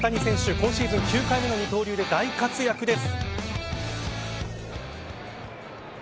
今シーズン９回目の二刀流で大活躍です。